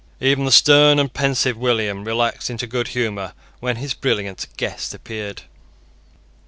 Even the stern and pensive William relaxed into good humour when his brilliant guest appeared.